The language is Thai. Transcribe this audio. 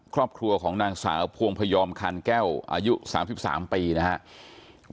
ครอบครัวของนางสาวพวงพยอมคันแก้วอายุ๓๓ปีนะครับ